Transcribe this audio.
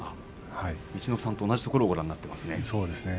陸奥さんと同じところをご覧になっていますね。